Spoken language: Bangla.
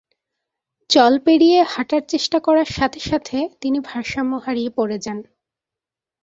জল পেরিয়ে হাঁটার চেষ্টা করার সাথে সাথে তিনি ভারসাম্য হারিয়ে পড়ে যান।